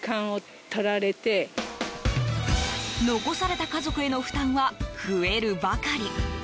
残された家族への負担は増えるばかり。